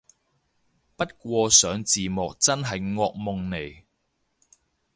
不過上字幕真係惡夢嚟